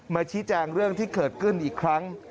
ชี้แจงเรื่องที่เกิดขึ้นอีกครั้ง